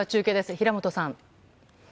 平本さん。